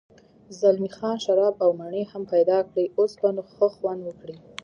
زلمی خان شراب او مڼې هم پیدا کړې، اوس به نو ښه خوند وکړي.